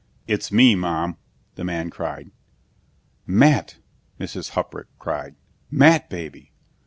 "It's me, Mom," the man cried. "Matt!" Mrs. Huprich cried. "Matt, baby!"